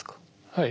はい。